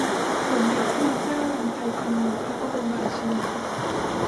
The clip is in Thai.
สมเด็จพระนางเจ้ารำไพพรรณีพระบรมราชินี